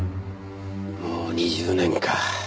もう２０年か。